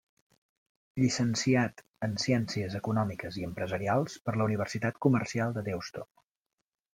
Llicenciat en Ciències Econòmiques i Empresarials per la Universitat Comercial de Deusto.